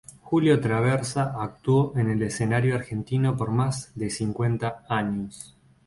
Julio Traversa actuó en el escenario argentino por más de cincuenta años.